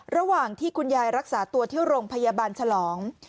ระหว่างที่คุณยายรักษาตัวที่โรงพยาบาลฉลอง